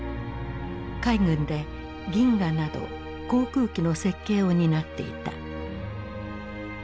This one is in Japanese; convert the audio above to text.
海軍で銀河など航空機の設計を担っていた。